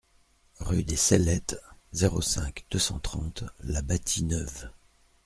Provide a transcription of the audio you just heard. Rue des Cellettes, zéro cinq, deux cent trente La Bâtie-Neuve